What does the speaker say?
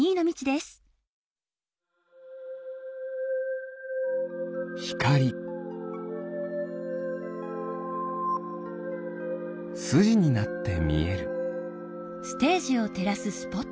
すじになってみえる。